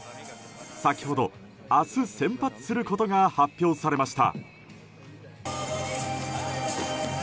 先ほど明日先発することが発表されました。